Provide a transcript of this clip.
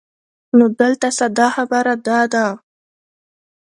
نو دلته ساده خبره دا ده